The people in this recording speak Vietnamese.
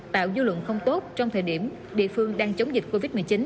tạo dư luận không tốt trong thời điểm địa phương đang chống dịch covid một mươi chín